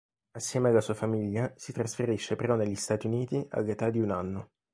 Assieme alla sua famiglia, si trasferisce però negli Stati Uniti all'età di un anno.